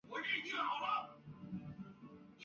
我一点都不着急